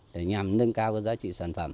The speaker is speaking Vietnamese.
để nhằm nâng cao giá trị sản phẩm